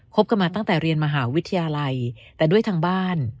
บกันมาตั้งแต่เรียนมหาวิทยาลัยแต่ด้วยทางบ้าน